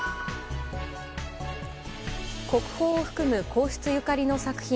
国宝を含む皇室ゆかりの作品